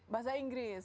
bukan bahasa perancis